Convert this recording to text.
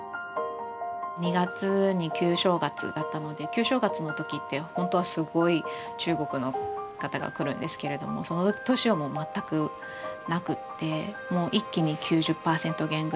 ２月に旧正月だったので旧正月の時って本当はすごい中国の方が来るんですけれどもその年はもう全くなくって一気に９０％減ぐらいですね。